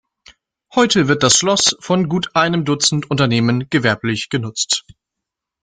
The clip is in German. Heute wird das Schloss von gut einem Dutzend Unternehmen gewerblich genutzt.